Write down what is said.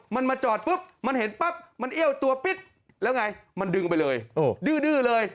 มันมาจอดปุ๊บมันเห็นปั๊บมันเอี้ยวตัวปิ๊ดแล้วไงมันดึงไปเลยดื้อเลย